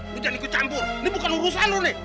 lu jangan ikut campur ini bukan urusan lu nih